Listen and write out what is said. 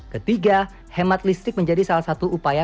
ketiga hemat listrik menjadi salah satu upaya